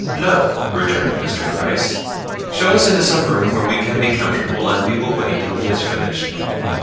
"No," returned Mr. Gryce; "show us into some room where we can be comfortable and we will wait till he has finished."